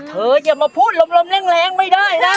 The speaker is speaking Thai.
อย่ามาพูดลมแรงไม่ได้นะ